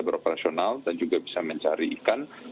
beroperasional dan juga bisa mencari ikan